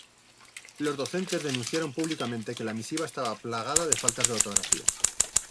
Los docentes denunciaron públicamente que la misiva estaba plagada de faltas de ortografía.